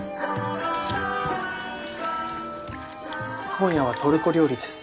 今夜はトルコ料理です。